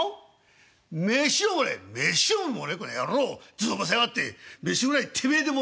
頭のぼせやがって飯ぐらいてめえで盛れ」。